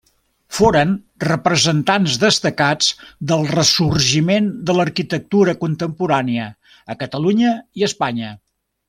Foren representants destacats del ressorgiment de l’arquitectura contemporània a Catalunya i Espanya.